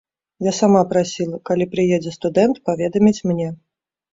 Я сама прасіла, калі прыедзе студэнт, паведаміць мне.